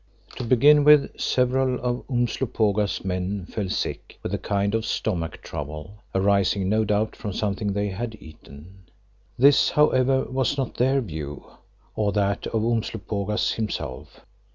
To begin with several of Umslopogaas' men fell sick with a kind of stomach trouble, arising no doubt from something they had eaten. This, however, was not their view, or that of Umslopogaas himself.